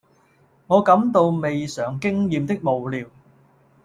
我感到未嘗經驗的無聊，